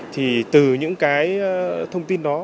thì từ những cái thông tin đó